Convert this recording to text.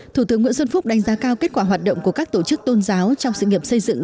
thủ tướng nguyễn xuân phúc đánh giá cao kết quả hoạt động của các tổ chức tôn giáo trong sự nghiệp xây dựng